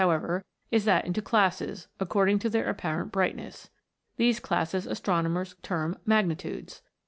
189 ever, is that into classes, according to their appa rent brightness. These classes astronomers term 'magnitudes.